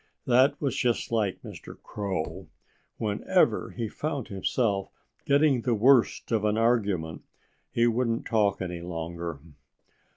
That was just like Mr. Crow. When ever he found himself getting the worst of an argument he wouldn't talk any longer.